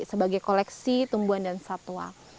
sebagai koleksi tumbuhan dan satwa